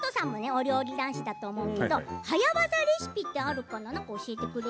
お料理男子だと思うんだけど早わざレシピってあるかな。